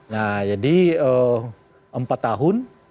nah jadi empat tahun